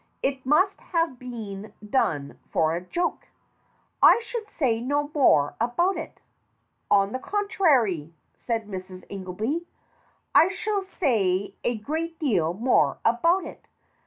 "It must have been done for a joke. I should say no more about it." "On the contrary," said Mrs. Ingelby, "I shall say a great deal more about it.